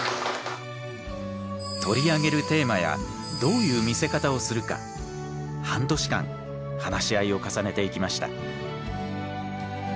取り上げるテーマやどういう見せ方をするか半年間話し合いを重ねていきました。